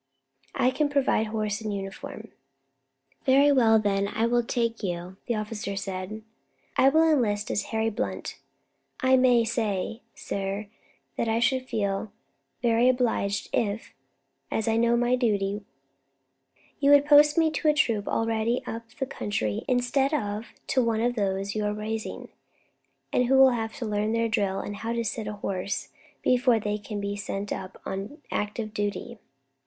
"I can provide horse and uniform." "Very well, then, I will take you," the officer said. "I enlist as Harry Blunt. I may say, sir, that I should feel very greatly obliged if, as I know my duty, you would post me to a troop already up the country instead of to one of those you are raising, and who will have to learn their drill and how to sit a horse before they can be sent up on active duty."